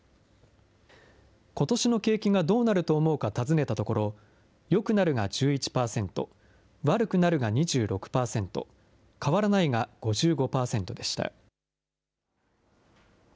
ことしの景気がどうなると思うか尋ねたところ、よくなるが１１％、悪くなるが２６％、変わらないが５５％でした。